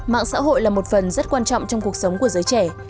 mạng xã hội là một phần rất quan trọng trong cuộc sống của giới trẻ